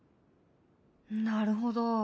なるほど。